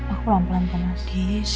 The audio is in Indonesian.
aku pelan pelan penas